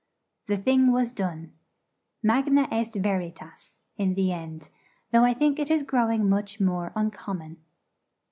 The thing was done. Magna est veritas, in the end: though I think it is growing much more uncommon.